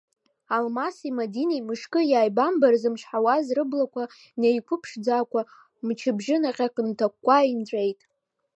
Алмаси Мадинеи мышкы иааибамбар ззымчҳауаз, рыблақәа неиқәымԥшӡакәа мчыбжьы наҟьак нҭакәкәа инҵәеит.